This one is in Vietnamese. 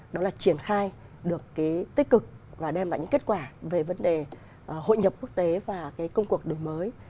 đó là triển khai được cái tích cực và đem lại những kết quả về vấn đề hội nhập quốc tế và cái công cuộc đổi mới